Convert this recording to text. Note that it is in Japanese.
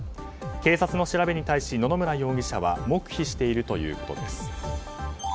警察の調べに対し野々村容疑者は黙秘しているということです。